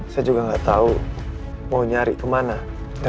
saya juga gak tau mau nyari kemana